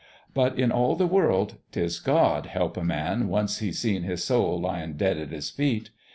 But in all the world 'tis God help a man once he's seen his soul lyin' dead at his feet